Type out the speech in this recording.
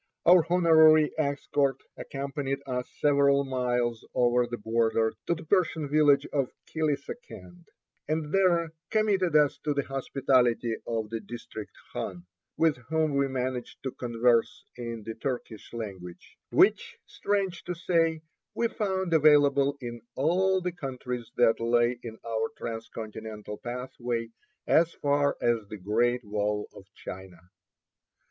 Our honorary escort accompanied us several miles over the border to the Persian village of Killissakend, and there committed us to the hospitality of the district khan, with whom we managed to converse in the Turkish language, which, strange to say, we found available in all the countries that lay in our transcontinental pathway as far as the great wall of China.